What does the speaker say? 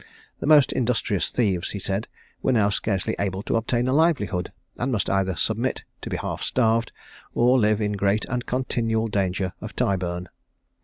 The most industrious thieves, he said, were now scarcely able to obtain a livelihood, and must either submit to be half starved, or live in great and continual danger of Tyburn.